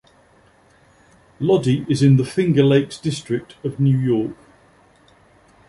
Lodi is in the Finger Lakes District of New York.